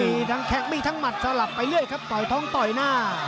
มีทั้งแข้งมีทั้งหมัดสลับไปเรื่อยครับต่อยท้องต่อยหน้า